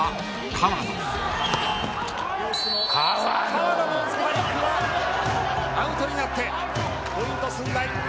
川野のスパイクはアウトになってポイント駿台。